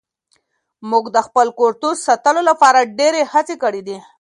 موږ د خپل کلتور ساتلو لپاره ډېرې هڅې کړې دي.